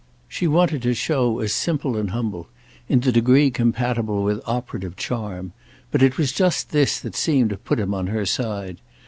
She wanted to show as simple and humble—in the degree compatible with operative charm; but it was just this that seemed to put him on her side.